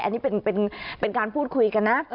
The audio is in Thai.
อันนี้เป็นการพูดคุยกันนะ